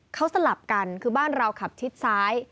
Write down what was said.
เขาสลับกันคือบ้านเราขับชิดซ้าย